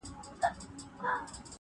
انسان په طبیعت کي آزاد خلق سوی دی -